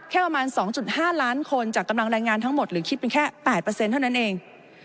ประมาณ๒๕ล้านคนจากกำลังแรงงานทั้งหมดหรือคิดเป็นแค่๘เท่านั้นเอง